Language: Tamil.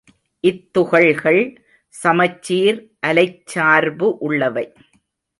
இத்துகள்கள் சமச்சீர் அலைச்சார்பு உள்ளவை.